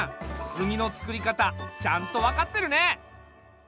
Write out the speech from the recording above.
炭のつくり方ちゃんと分かってるね。